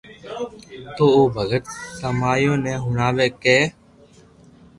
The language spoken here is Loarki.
تو او ڀگت سمايو ني ھڻاوي ڪي